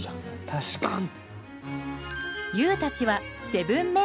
確かに。